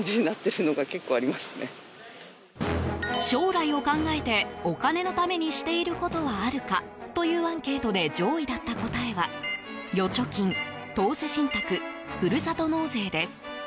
将来を考えて、お金のためにしていることはあるかというアンケートで上位だった答えは預貯金、投資信託ふるさと納税です。